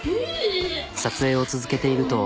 撮影を続けていると。